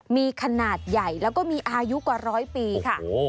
มีขนาดใหญ่แล้วก็มีอายุกว่าร้อยปีค่ะ